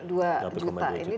ini di seluruh wilayah dki ya